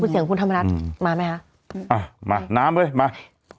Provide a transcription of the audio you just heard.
พูดเสียงคุณธรรมรัฐอืมมาไหมฮะอ่ามาน้ำเลยมา